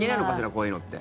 こういうのって。